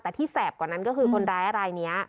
แต่ที่แสบกว่านั้นก็คือคนร้ายรายนี้